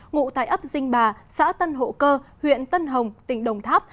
ngụ tại ấp dinh bà xã tân hộ cơ huyện tân hồng tỉnh đồng tháp